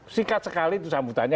singkat sekali sambutannya